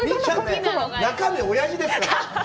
中身おやじですから。